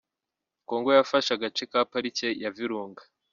kongo yafashe agace ka Parike ya Virunga